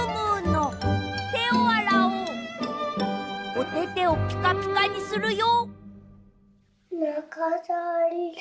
おててをピカピカにするよ。